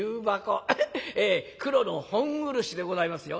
黒の本漆でございますよ。